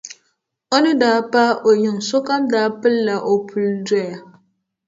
O ni daa paai o yiŋa sokam daa pilla o puli doya.